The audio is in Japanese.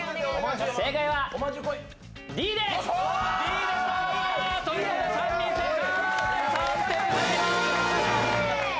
正解はＤです！ということで３人正解！